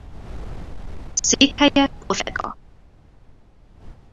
Székhelye Pozsega.